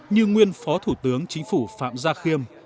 như nguyên phó thủ tướng chính phủ phạm gia khiêm